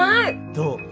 どう？